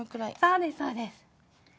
そうですそうです。